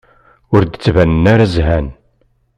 Ur d-ttbanen ara zhan.